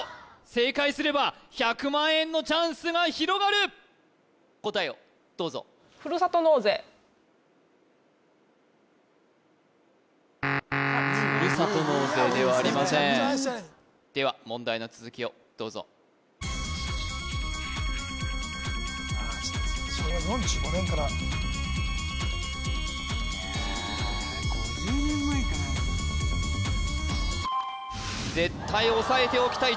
正解すれば１００万円のチャンスが広がる答えをどうぞふるさと納税ではありませんでは問題の続きをどうぞ昭和４５年からえ５０年前から絶対押さえておきたい